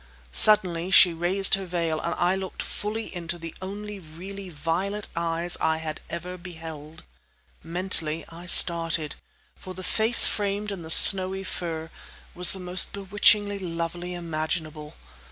Suddenly she raised her veil; and I looked fully into the only really violet eyes I had ever beheld. Mentally, I started. For the face framed in the snowy fur was the most bewitchingly lovely imaginable.